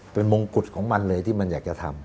เป็นมงกุฎของมันเลยที่มันอยากจะทำ